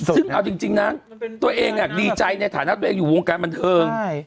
ซึ่งเอาจริงนะตัวเองดีใจในฐานะตัวเองอยู่วงการบันเทิง